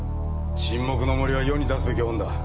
『沈黙の森』は世に出すべき本だ。